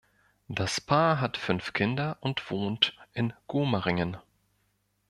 Das Paar hat fünf Kinder und wohnt in Gomaringen.